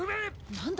「何だ？